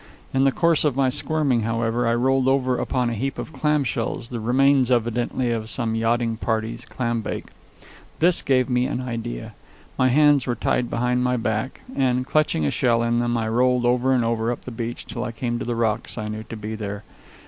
In the course of my squirming, however, I rolled over upon a heap of clam shells the remains, evidently, of some yachting party's clam bake. This gave me an idea. My hands were tied behind my back; and, clutching a shell in them, I rolled over and over, up the beach, till I came to the rocks I knew to be there.